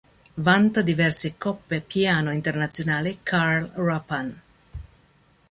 Vanta diverse Coppe Piano Internazionale Karl Rappan.